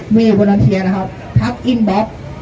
สวัสดีครับทุกคนวันนี้เกิดขึ้นทุกวันนี้นะครับ